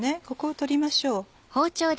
ここを取りましょう。